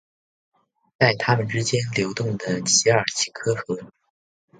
在他们之间流动的奇尔奇克河。